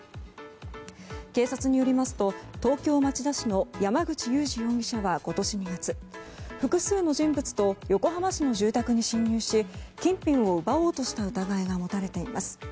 警察によりますと東京・町田市の山口祐司容疑者は今年２月、複数の人物と横浜市の住宅に侵入し金品を奪おうとした疑いが持たれています。